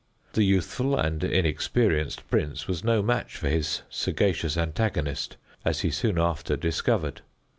The youthful and inexperienced prince was no match for his sagacious antagonist, as he soon after discovered.